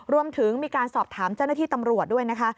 รวมถึงมีการสอบถามเจ้าหน้าที่ตำรวจด้วยนะคะ